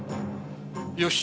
よし。